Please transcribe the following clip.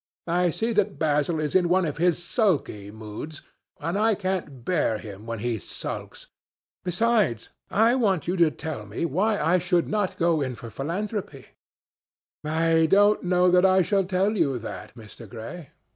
I see that Basil is in one of his sulky moods, and I can't bear him when he sulks. Besides, I want you to tell me why I should not go in for philanthropy." "I don't know that I shall tell you that, Mr. Gray.